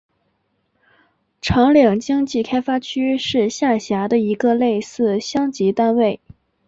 长岭经济开发区是下辖的一个类似乡级单位。